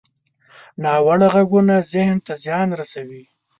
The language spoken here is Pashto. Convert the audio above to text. ناوړه غږونه ذهن ته زیان رسوي